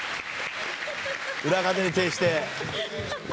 「裏方に徹して」